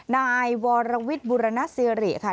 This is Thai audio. นายวรวิทย์บุรณสิริค่ะ